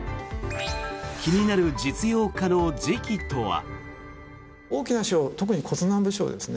気になる実用化の時期とは。